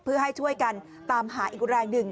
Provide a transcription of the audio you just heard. เพื่อให้ช่วยกันตามหาอีกแรงหนึ่ง